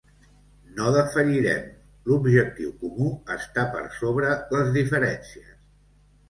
No defallirem, l'objectiu comú està per sobre les diferències.